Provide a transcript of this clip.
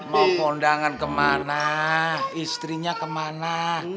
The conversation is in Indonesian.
mau kondangan ke mana istrinya ke mana